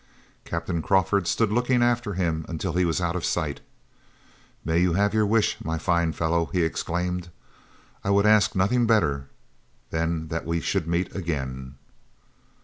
Captain Crawford stood looking after him until he was out of sight. "May you have your wish, my fine fellow!" he exclaimed; "I would ask nothing better than that we should meet again."